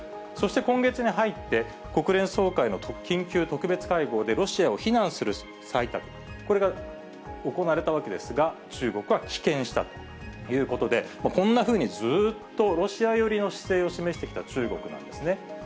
そして今月に入って、国連総会の緊急特別会合でロシアを非難する採択、これが行われたわけですが、中国は棄権したということで、こんなふうにずーっとロシア寄りの姿勢を示してきた中国なんですね。